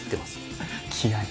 気合い。